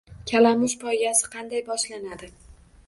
Kalamush poygasi qanday boshlanadi